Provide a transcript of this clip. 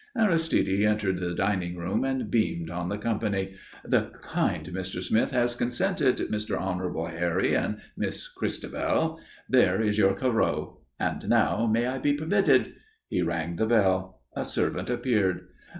Aristide entered the dining room and beamed on the company. "The kind Mr. Smith has consented. Mr. Honourable Harry and Miss Christabel, there is your Corot. And now, may I be permitted?" He rang the bell. A servant appeared.